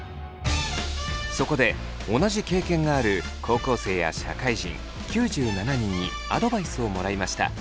そこで同じ経験がある高校生や社会人９７人にアドバイスをもらいました。